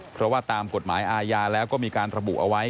เพราะว่าตามกฎหมายอาญาแล้วก็มีการระบุเอาไว้